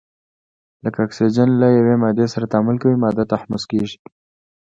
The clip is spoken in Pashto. کله چې اکسیجن له یوې مادې سره تعامل کوي ماده تحمض کیږي.